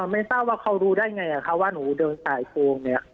ไม่ทับว่าเขารู้ได้ไงว่าหนูเดินสายโกง